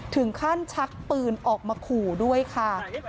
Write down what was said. ถึงขั้นชักปืนออกมาขู่ด้วยค่ะ